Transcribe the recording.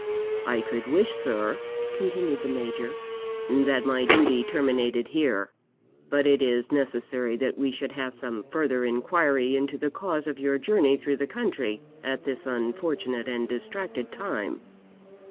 'I could wish, sir,' continued the Major, 'that my duty terminated here; but it is necessary that we should have some further inquiry into the cause of your journey through the country at this unfortunate and distracted time.'